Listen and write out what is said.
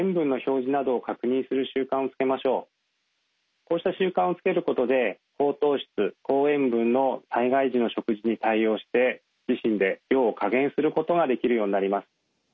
こうした習慣をつけることで高糖質高塩分の災害時の食事に対応して自身で量を加減することができるようになります。